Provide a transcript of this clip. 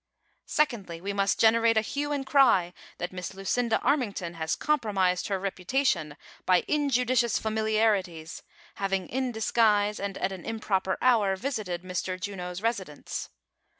'■^Secondly, we must generate a hue and cry that Miss Lucinda Armington has compromised her reputation by injudicious familiarities, having, in disguise and at an im proper hour, visited Mr. Juno's residence.